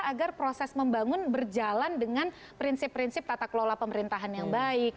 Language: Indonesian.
agar proses membangun berjalan dengan prinsip prinsip tata kelola pemerintahan yang baik